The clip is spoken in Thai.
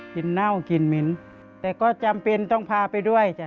กินเน่ากินหมินแต่ก็จำเป็นต้องพาไปด้วย